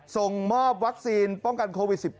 ส่งมอบวัคซีนป้องกันโควิด๑๙